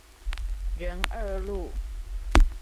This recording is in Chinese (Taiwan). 仁二路